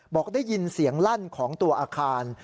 บอกได้ยินเสียงลั่นของตัวอาคาร